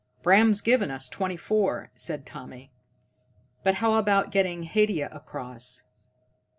"Bram's given us twenty four," said Tommy. "But how about getting Haidia across?"